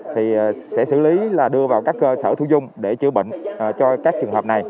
thì sẽ xử lý là đưa vào các cơ sở thu dung để chữa bệnh cho các trường hợp này